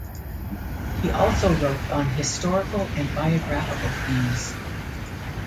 He also wrote on historical and biographical themes.